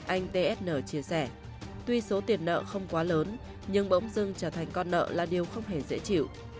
anh tsn chia sẻ tuy số tiền nợ không quá lớn nhưng bỗng dưng trở thành con nợ là điều không hề dễ chịu